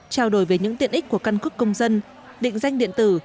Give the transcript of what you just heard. trao đổi về những tiện ích của căn cước công dân định danh điện tử